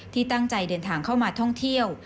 ที่ตั้งใจเดินทางเข้ามาท่องเที่ยว